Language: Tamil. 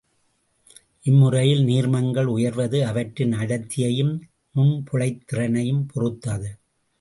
இம்முறையில் நீர்மங்கள் உயர்வது அவற்றின் அடர்த்தியையும் நுண்புழைத் திறனையும் பொறுத்தது.